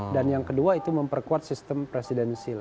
dan yang kedua itu memperkuat sistem presidensil